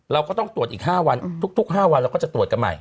เราก็ต้องตรวจอีก๕วันทุก๕วันเราก็จะตรวจกันใหม่